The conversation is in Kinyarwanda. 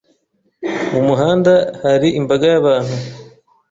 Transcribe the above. Mu muhanda hari imbaga y'abantu.